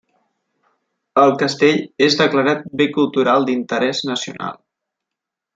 El castell és declarat bé cultural d'interès nacional.